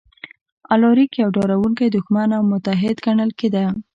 الاریک یو ډاروونکی دښمن او متحد ګڼل کېده